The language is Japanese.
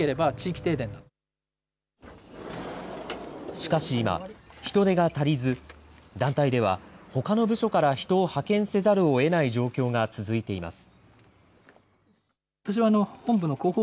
しかし今、人手が足りず、団体ではほかの部署から人を派遣せざるをえない状況が続いています。